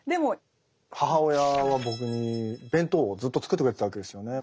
母親は僕に弁当をずっと作ってくれてたわけですよね。